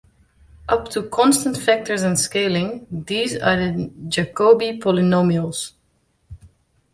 Up to constant factors and scaling, these are the Jacobi polynomials.